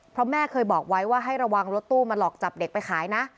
เพราะแม่เคยบอกไว้ว่าให้ระวังรถตู้มาหลอกจับเด็กไปขายนะ